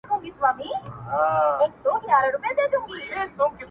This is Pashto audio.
دا ستا خبري مي د ژوند سرمايه-